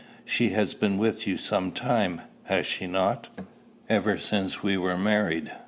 "She has been with you some time has she not?" "Ever since we were married."